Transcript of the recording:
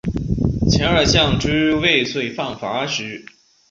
前二项之未遂犯罚之。